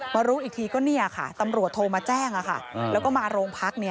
มารู้อีกทีก็เนี่ยค่ะตำรวจโทรมาแจ้งอะค่ะแล้วก็มาโรงพักเนี่ย